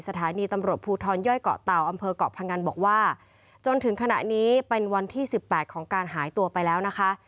สถานีตำรวจภูทรย่อยเกาะเตาอำเภอกเกาะพงันบอกว่าจนถึงขณะนี้เป็นวันที่๑๘ของการหายตัวไปแล้วนะคะ